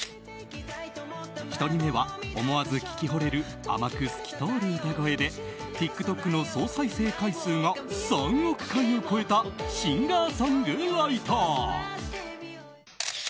１人目は、思わず聴きほれる甘く透き通る歌声でＴｉｋＴｏｋの総再生回数が３億回を超えたシンガーソングライター。